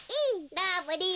ラブリー。